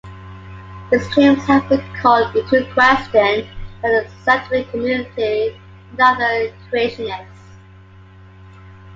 His claims have been called into question by the scientific community and other creationists.